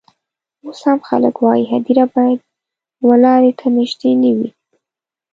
اوس هم خلک وايي هدیره باید و لاري ته نژدې نه وي.